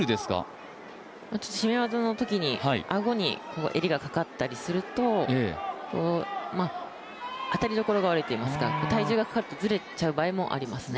ちょっと絞め技のときに顎に襟がかかったりすると当たりどころが悪いといいますか、体重がかかるとずれちゃう場合もありますね。